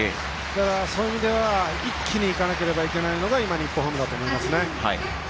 そういう意味では一気にいかなければいけないのが今の日本ハムですね。